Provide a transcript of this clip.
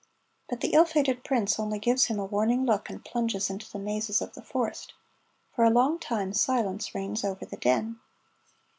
But the ill fated prince only gives him a warning look and plunges into the mazes of the forest. For a long time silence reigns over the Den.